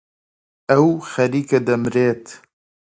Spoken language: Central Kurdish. ئەو خەریکە دەمرێت.